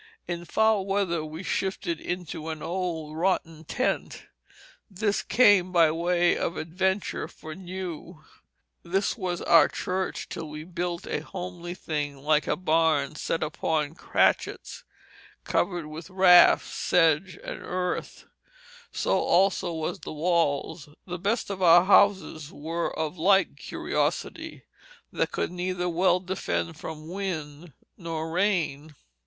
In foul weather we shifted into an old rotten tent; this came by way of adventure for new. This was our Church till we built a homely thing like a barne set upon Cratchets, covered with rafts, sedge, and earth; so also was the walls; the best of our houses were of like curiosity, that could neither well defend from wind nor rain.